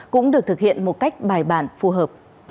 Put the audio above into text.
cũng được thực hiện một cách bài bản phù hợp